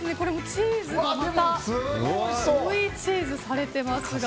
チーズがまた追いチーズされてますが。